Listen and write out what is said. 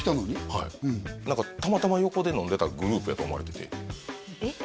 はいたまたま横で飲んでたグループやと思われててえっ？